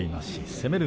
攻める